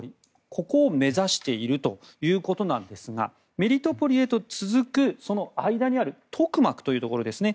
ここを目指しているということですがメリトポリへと続くその間にあるトクマクというところですね